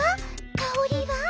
かおりは？